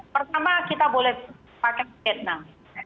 pertama kita boleh pakai vietnam